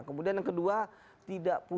kemudian yang kedua tidak punya